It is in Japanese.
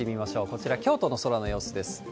こちら、京都の空の様子です。